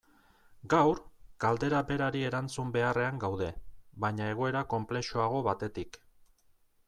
Gaur, galdera berari erantzun beharrean gaude, baina egoera konplexuago batetik.